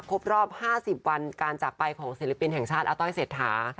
ครบรอบ๕๐วันการจากไปของศิลปินแห่งชาติอาต้อยเศรษฐา